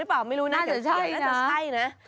ไม่รู้นะน่าจะใช่นะ